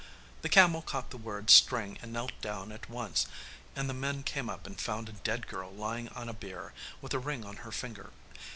The camel caught the word 'string' and knelt down at once, and the men came up and found a dead girl lying on a bier, with a ring on her finger.